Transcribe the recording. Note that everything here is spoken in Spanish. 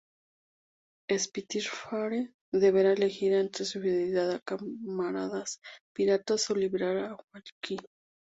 Spitfire deberá elegir entre su fidelidad a sus camaradas piratas o liberar a Hawke.